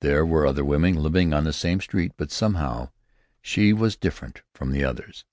There were other women living on the same street; but somehow, she was different from the others.